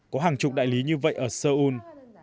có hàng chục đại lý như vậy ở seoul